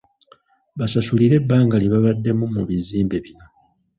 Basasulire ebbanga lye babaddemu mu bizimbe bino.